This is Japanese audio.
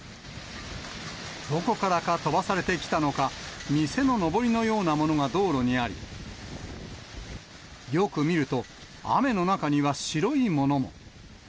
どこからか飛ばされてきたのか、店ののぼりのようなものが道路にあり、よく見ると、雨の中には白いものも。